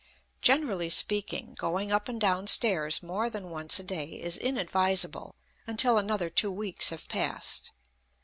Generally speaking, going up and down stairs more than once a day is inadvisable until another two weeks have passed.